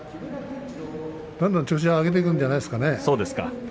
どんどん調子を上げていくんじゃないですかね。